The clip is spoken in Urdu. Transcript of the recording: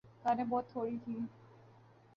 کاریں بہت تھوڑی تھیں۔